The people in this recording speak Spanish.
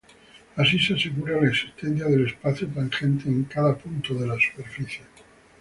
Así se asegura la existencia del espacio tangente en cada punto de la superficie.